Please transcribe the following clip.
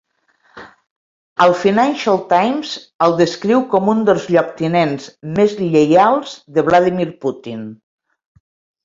El "Financial Times" el descriu com un dels lloctinents més lleials de Vladimir Putin.